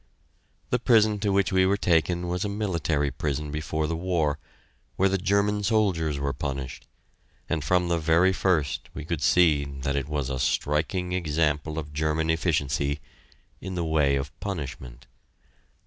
The prison to which we were taken was a military prison before the war, where the German soldiers were punished, and from the very first we could see that it was a striking example of German efficiency in the way of punishment.